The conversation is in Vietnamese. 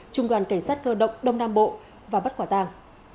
trung đoàn cảnh sát cơ động đông nam bộ và bắt quả tàng